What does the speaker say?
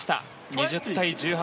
２０対１８。